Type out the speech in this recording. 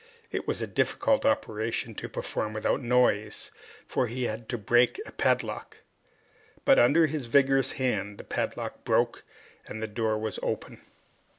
It was a difficult operation to perform without noise, for he had to break a padlock. But under his vigorous hand, the padlock broke, and the door was open.